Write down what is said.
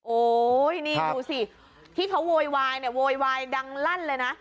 โอ้ยนี่ดูสิที่เขาโวยวายเนี่ยโวยวายดังลั่นเลยนะ